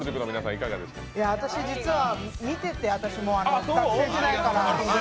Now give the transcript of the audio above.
私実は見てて、学生時代から。